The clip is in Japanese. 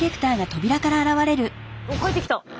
おっ帰ってきた！